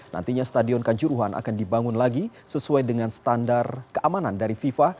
nantinya stadion kanjuruhan akan dibangun lagi sesuai dengan standar keamanan dari fifa